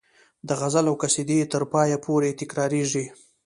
د غزل او قصیدې تر پایه پورې تکراریږي.